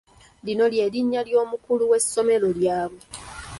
Lino ly’erinnya ly’omukulu w'essomero lyabwe.